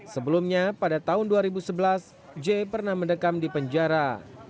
sebelumnya pada tahun dua ribu sebelas j pernah mendekam di penjara